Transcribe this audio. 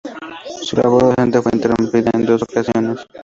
Su labor docente fue interrumpida en dos ocasiones.